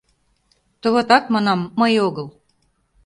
— Товатат, манам, мый огыл...